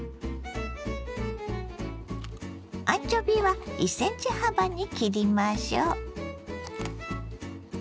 アンチョビは１ｃｍ幅に切りましょ。